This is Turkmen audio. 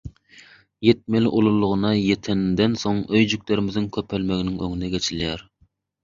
Ýetmeli ululygyna ýeteninden soň öýjüklerimiziň köpelmeginiň öňüne geçilýär.